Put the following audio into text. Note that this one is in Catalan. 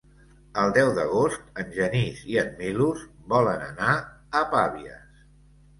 El deu d'agost en Genís i en Milos volen anar a Pavies.